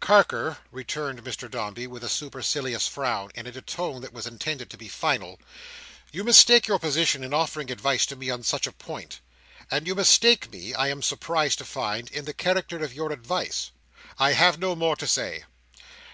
"Carker," returned Mr Dombey, with a supercilious frown, and in a tone that was intended to be final, "you mistake your position in offering advice to me on such a point, and you mistake me (I am surprised to find) in the character of your advice. I have no more to say."